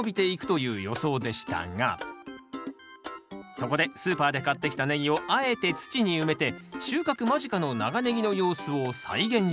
そこでスーパーで買ってきたネギをあえて土に埋めて収穫間近の長ネギの様子を再現してみました